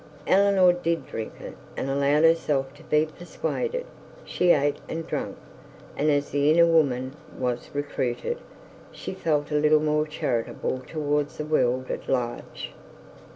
Eleanor did drink it, and allowed herself to be persuaded. She ate and drank, and as the inner woman was recruited she felt a little more charitable towards the world at large.